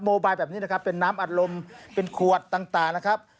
โมบายแบบนี้นะครับเป็นน้ำอัดลมเป็นขวดต่างนะครับ